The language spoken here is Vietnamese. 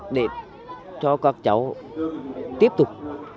để cho các cháu tiếp tục